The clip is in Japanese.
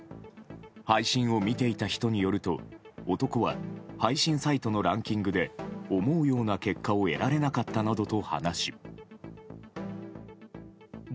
配信を見ていた人によると男は配信サイトのランキングで思うような結果を得られなかったなどと話し。